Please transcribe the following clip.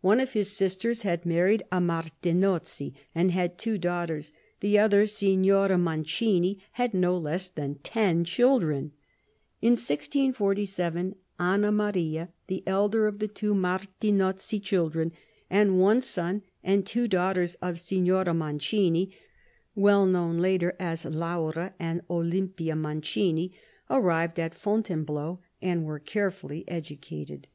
One of his sisters had married a Martinozzi, and had two daughters ; the other, Signora Mancini, had no less than ten children. In 1647 Anna Maria, the elder of the two Martinozzi children, and one son and two daughters of Signora Mancini, well known later as Laura and Olympia Mancini, arrived at Fontainebleau and were carefully educated.